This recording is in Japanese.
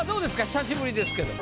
久しぶりですけど。